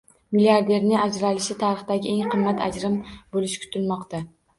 Milliarderning ajralishi tarixdagi eng qimmat ajrim bo‘lishi kutilmoqda